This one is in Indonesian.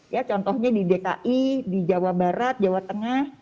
ya contohnya di dki di jawa barat jawa tengah